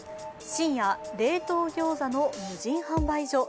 深夜、冷凍餃子の無人販売所。